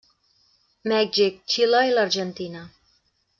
Mèxic, Xile i l'Argentina.